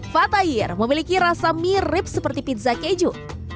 fatayir memiliki rasa mirip seperti pizza keju